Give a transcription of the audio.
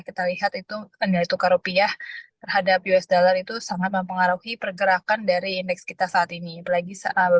kita lihat itu nilai tukar rupiah terhadap usd itu sangat mempengaruhi pergerakan dari indeks kita saat ini